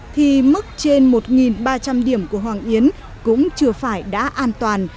thì mức trên một ba trăm linh điểm của hoàng yến cũng chưa phải đã an toàn